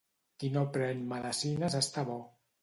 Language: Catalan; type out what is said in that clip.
Qui no pren medecines està bo.